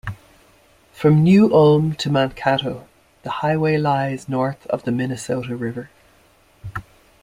From New Ulm to Mankato, the highway lies north of the Minnesota River.